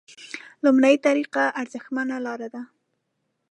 لومړۍ طریقه ارزښتمنه لاره ده.